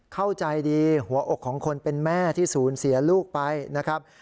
เข้าใจดีหัวอกของคนเป็นแม่ที่ศูนย์เสียลูกไปนะครับ